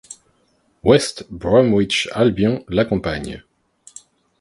West Bromwich Albion l’accompagne.